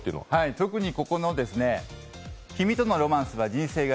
特にここの「君とのロマンスは人生柄」